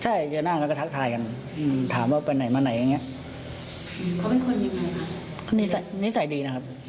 ใช่เจอหน้ากันแล้วก็ทักทายกันถามว่าไปไหนมาไหนอย่างนี้